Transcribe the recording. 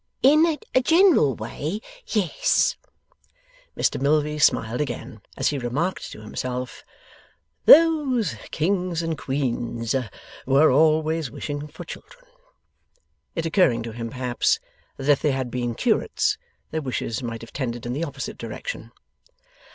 In a general way, yes. Mr Milvey smiled again, as he remarked to himself 'Those kings and queens were always wishing for children.' It occurring to him, perhaps, that if they had been Curates, their wishes might have tended in the opposite direction.